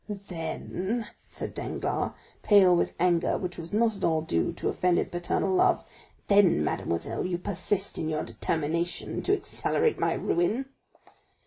"Then," said Danglars, pale with anger, which was not at all due to offended paternal love,—"then, mademoiselle, you persist in your determination to accelerate my ruin?"